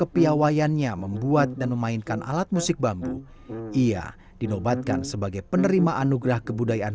baginya dengan membuat alat musik bambu ia turut andil melestarikan kebudayaan